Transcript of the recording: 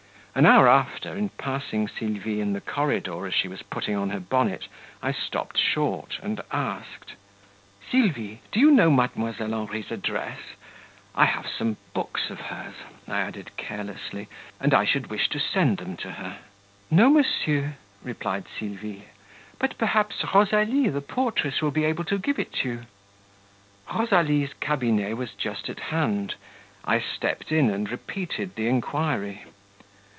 An hour after, in passing Sylvie in the corridor as she was putting on her bonnet, I stopped short and asked: "Sylvie, do you know Mdlle. Henri's address? I have some books of hers," I added carelessly, "and I should wish to send them to her." "No, monsieur," replied Sylvie; "but perhaps Rosalie, the portress, will be able to give it you." Rosalie's cabinet was just at hand; I stepped in and repeated the inquiry.